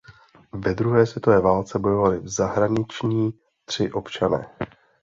Ve druhé světové válce bojovali v zahraniční tři občané.